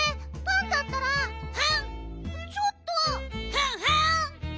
フンフン！